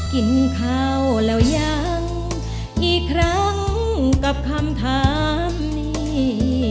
กินข้าวแล้วยังอีกครั้งกับคำถามนี้